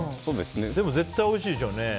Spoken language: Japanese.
でも絶対おいしいでしょうね。